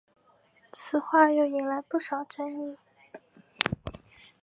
此话又引来不少争议。